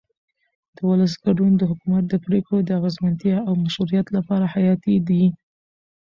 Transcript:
د ولس ګډون د حکومت د پرېکړو د اغیزمنتیا او مشروعیت لپاره حیاتي دی